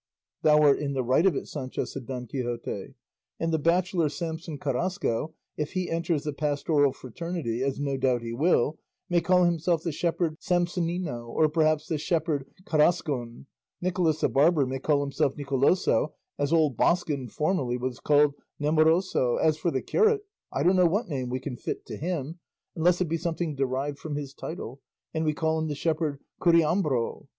"Thou art in the right of it, Sancho," said Don Quixote; "and the bachelor Samson Carrasco, if he enters the pastoral fraternity, as no doubt he will, may call himself the shepherd Samsonino, or perhaps the shepherd Carrascon; Nicholas the barber may call himself Niculoso, as old Boscan formerly was called Nemoroso; as for the curate I don't know what name we can fit to him unless it be something derived from his title, and we call him the shepherd Curiambro.